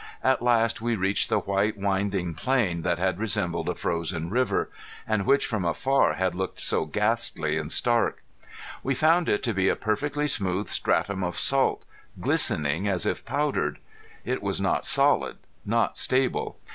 At last we reached the white winding plain, that had resembled a frozen river, and which from afar had looked so ghastly and stark. We found it to be a perfectly smooth stratum of salt glistening as if powdered. It was not solid, not stable.